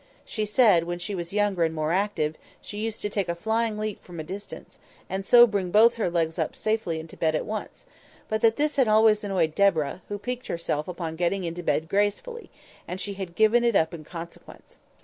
She said, when she was younger and more active, she used to take a flying leap from a distance, and so bring both her legs up safely into bed at once; but that this had always annoyed Deborah, who piqued herself upon getting into bed gracefully, and she had given it up in consequence.